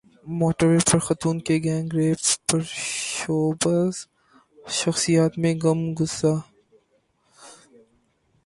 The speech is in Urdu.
موٹر وے پر خاتون کے گینگ ریپ پرشوبز شخصیات میں غم غصہ